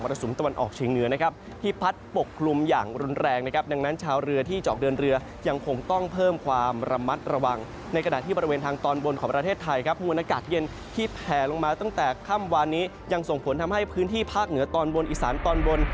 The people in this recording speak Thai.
พื้นที่ภาคเหนือตอนบนอีสานตอนบน